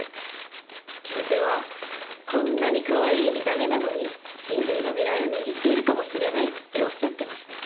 教授は「こんなにかわいい見た目なのに人類の未来を握っているかもしれない」っておっしゃってました。